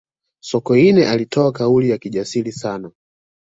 sokoine alitoa kauli ya kijasiri sana